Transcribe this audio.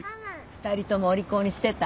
２人ともお利口にしてた？